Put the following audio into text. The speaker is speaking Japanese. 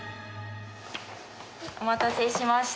お待たせしました。